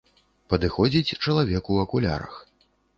Падыходзіць чалавек у акулярах.